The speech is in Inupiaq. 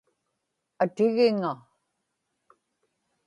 atigiŋa